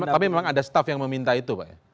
tapi memang ada staff yang meminta itu pak ya